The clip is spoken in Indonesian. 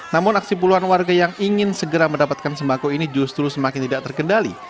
namun aksi puluhan warga yang ingin segera mendapatkan sembako ini justru semakin tidak terkendali